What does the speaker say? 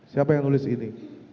siapa yang nulis ini